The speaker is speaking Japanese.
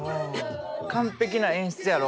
完璧な演出やろ？